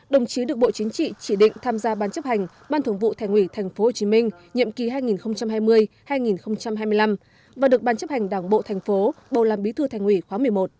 đồng chí được bộ chính trị chỉ định tham gia ban chấp hành ban thường vụ thành ủy tp hcm nhiệm kỳ hai nghìn hai mươi hai nghìn hai mươi năm và được ban chấp hành đảng bộ thành phố bầu làm bí thư thành ủy khóa một mươi một